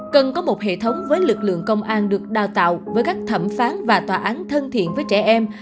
cần có một hệ thống với lực lượng công an được đào tạo với các thẩm phán và tòa án thân thiện với trẻ em